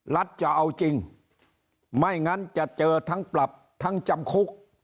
รัฐจะเอาจริงไม่งั้นจะเจอทั้งปรับทั้งจำคุก